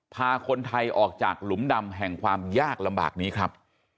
พาคนไทยออกจากหลุมดำแห่งความยากลำบากนี้ครับ